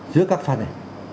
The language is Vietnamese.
giữa các pha đề